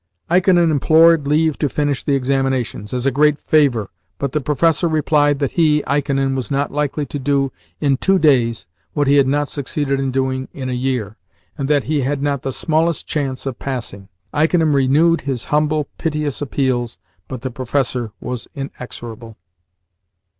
Ikonin implored leave to finish the examinations, as a great favour, but the professor replied that he (Ikonin) was not likely to do in two days what he had not succeeded in doing in a year, and that he had not the smallest chance of passing. Ikonin renewed his humble, piteous appeals, but the professor was inexorable.